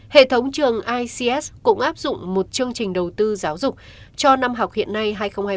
hệ thống trường ics cũng áp dụng một chương trình đầu tư giáo dục cho năm học hiện nay hai nghìn hai mươi ba hai nghìn hai mươi bốn